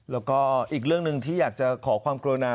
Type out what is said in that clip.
แล้วก็อีกเรื่องหนึ่งที่อยากจะขอความกรุณา